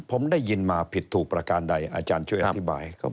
ผมได้ยินมาผิดถูกประการใดอาจารย์ช่วยอธิบายเขา